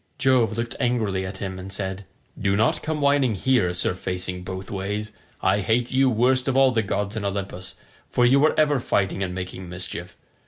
Jove looked angrily at him and said, "Do not come whining here, Sir Facing both ways. I hate you worst of all the gods in Olympus, for you are ever fighting and making mischief.